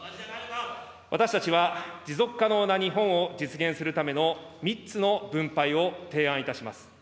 私たちは、持続可能な日本を実現するための３つの分配を提案いたします。